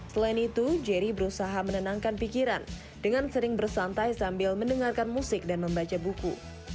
selain itu jerry berusaha menenangkan pikiran dengan sering bersantai sambil mendengarkan musik dan membaca buku